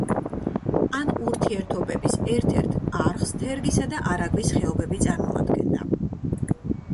ამ ურთიერთობების ერთ-ერთ არხს თერგისა და არაგვის ხეობები წარმოადგენდა.